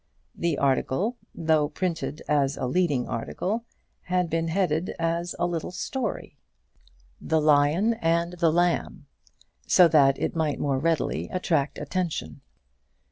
The article, though printed as a leading article, had been headed as a little story, "The Lion and the Lamb," so that it might more readily attract attention.